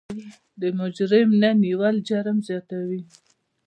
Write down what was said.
د مجرم نه نیول جرم زیاتوي.